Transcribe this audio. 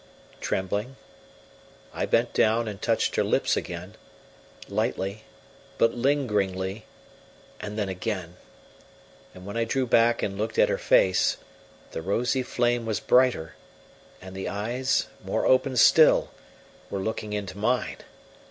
Trembling, I bent down and touched her lips again, lightly, but lingeringly, and then again, and when I drew back and looked at her face the rosy flame was brighter, and the eyes, more open still, were looking into mine.